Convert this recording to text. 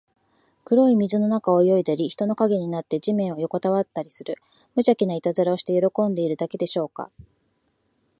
黒い水の中を泳いだり、人の影になって地面によこたわったりする、むじゃきないたずらをして喜んでいるだけでしょうか。